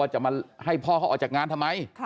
จะมาให้พ่อเขาออกจากงานทำไม